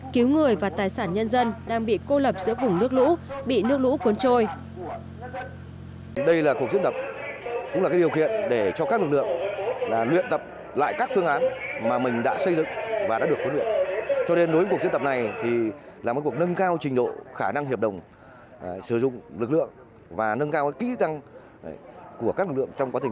cứu người và tài sản nhân dân đang bị cô lập giữa vùng nước lũ bị nước lũ cuốn trôi